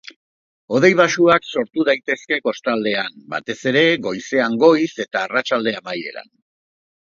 Hodei baxuak sortu daitezke kostaldean, batez ere goizean goiz eta arratsalde amaieran.